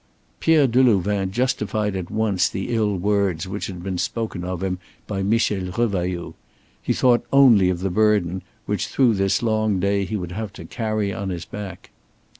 Pierre Delouvain justified at once the ill words which had been spoken of him by Michel Revailloud. He thought only of the burden which through this long day he would have to carry on his back.